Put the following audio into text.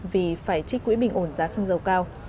vì phải trích quỹ bình ổn giá xăng dầu cao